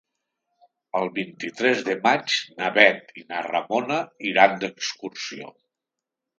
El vint-i-tres de maig na Bet i na Ramona iran d'excursió.